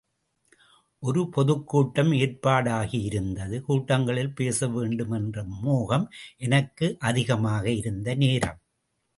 ஒரு பொதுக்கூட்டம் ஏற்பாடாகியிருந்தது கூட்டங்களில் பேச வேண்டுமென்ற மோகம் எனக்கு அதிகமாக இருந்த நேரம்.